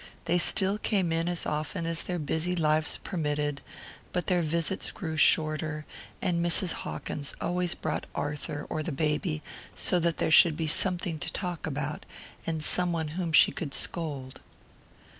They still came in as often as their busy lives permitted, but their visits grew shorter, and Mrs. Hawkins always brought Arthur or the baby, so that there should be something to talk about, and some one whom she could scold.